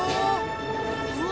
うわ！